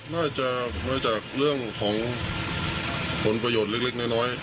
น่าจะมาจากเรื่องของผลประโยชน์เล็กน้อย